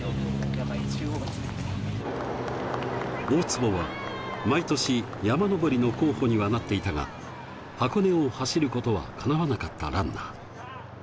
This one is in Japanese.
大坪は、毎年、山上りの候補にはなっていたが、箱根を走ることはかなわなかったランナー。